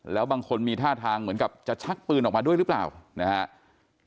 แล้วบางคนมีท่าทางเหมือนกับจะชักปืนออกมาด้วยหรือเปล่านะครับ